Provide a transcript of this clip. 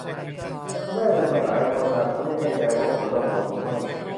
คุณแม่มือใหม่หลายคนอาจไม่แน่ใจว่าหัวนมบอดหรือไม่